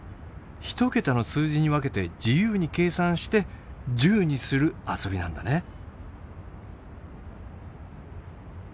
１桁の数字に分けて自由に計算して１０にする遊びなんだね。